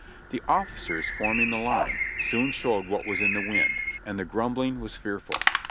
The officers, forming the line, soon showed what was in the wind; and the grumbling was fearful.